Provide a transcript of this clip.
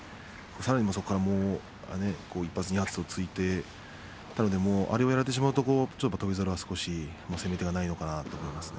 さらにそこから１発２発、突いてあれをやられてしまうと翔猿は攻め手がないのかなと思いますね。